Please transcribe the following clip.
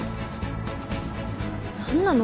何なの？